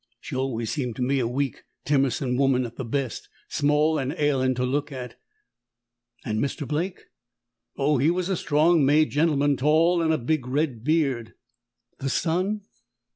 She always seemed to me a weak, timmersome woman at the best; small and ailin' to look at." "And Mr. Blake?" "Oh, he was a strong made gentleman: tall, with a big red beard." "The son?"